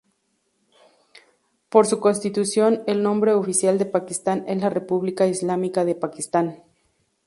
Por su constitución, el nombre oficial de Pakistán es la "República Islámica de Pakistán".